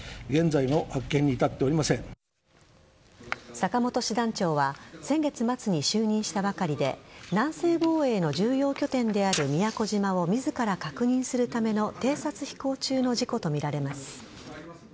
坂本師団長は先月末に就任したばかりで南西防衛の重要拠点である宮古島を、自ら確認するための偵察飛行中の事故とみられます。